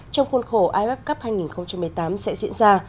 trong khuôn khổ iff cup hai nghìn một mươi tám sẽ diễn ra